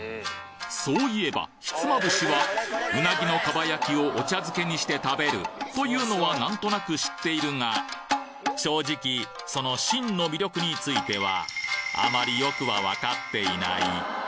そういえば、ひつまぶしは、うなぎのかば焼きをお茶漬けにして食べるというのは、なんとなく知っているが、正直、その真の魅力についてはあまりよくは分かっていない。